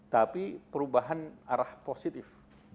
tapi perubahan arah positif